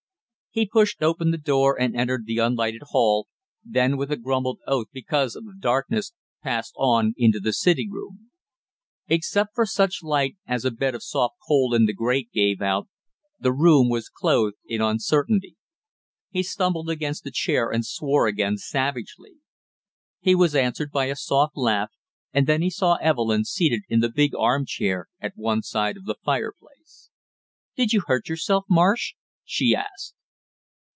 He pushed open the door and entered the unlighted hail, then with a grumbled oath because of the darkness, passed on into the sitting room. Except for such light as a bed of soft coal in the grate gave out, the room was clothed in uncertainty. He stumbled against a chair and swore again savagely. He was answered by a soft laugh, and then he saw Evelyn seated in the big arm chair at one side of the fireplace. "Did you hurt yourself, Marsh?" she asked.